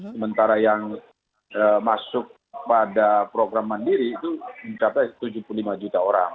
sementara yang masuk pada program mandiri itu mencapai tujuh puluh lima juta orang